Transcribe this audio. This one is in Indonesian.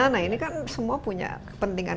nah ini kan semua punya kepentingan